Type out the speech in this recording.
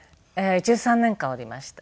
１３年間おりました。